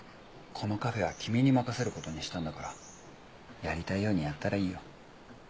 このカフェは君に任せる事にしたんだからやりたいようにやったらいいよ。